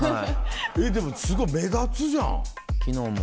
でもすごい目立つじゃん！